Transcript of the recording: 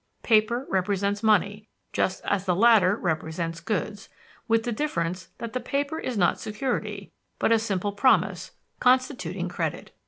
Paper represents money, just as the latter represents goods, "with the difference that the paper is not security, but a simple promise, constituting credit."